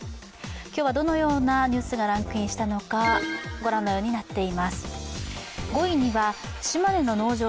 今日はどのようなニュースがランクインしたのか、ご覧のようになっています。